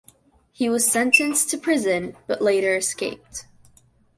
He was sentenced to prison but later escaped.